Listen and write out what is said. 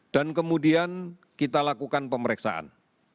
dan kemudian kita lakukan pemeriksaan